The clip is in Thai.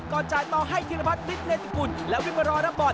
ก่อนจ่ายต่อให้เทียนละพัดฤทธิ์ในติกุ่นและริมรอรับบอล